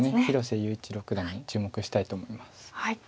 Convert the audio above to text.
広瀬優一六段に注目したいと思います。